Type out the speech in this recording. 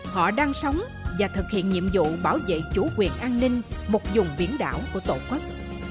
họ đang sống và thực hiện nhiệm vụ bảo vệ chủ quyền an ninh một dùng biển đảo của tổ quốc